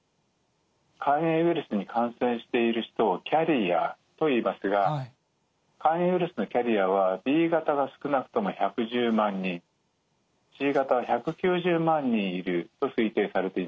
肝炎ウイルスに感染している人をキャリアといいますが肝炎ウイルスのキャリアはＢ型が少なくとも１１０万人Ｃ型は１９０万人いると推定されています。